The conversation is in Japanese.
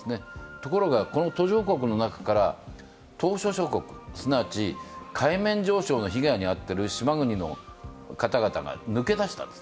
ところが途上国の中から島しょ諸国、すなわち海面上昇の被害に遭っている島国の方々が抜け出したんです。